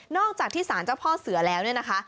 จากที่สารเจ้าพ่อเสือแล้วเนี่ยนะคะ